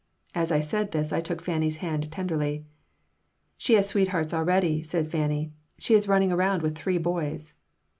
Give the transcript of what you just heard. As I said this I took Fanny's hand tenderly "She has sweethearts already," said Fanny. "She is running around with three boys."